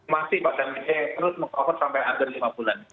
masih pak jami c terus mengkawal sampai akhir lima bulan